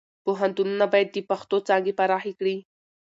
پوهنتونونه باید د پښتو څانګې پراخې کړي.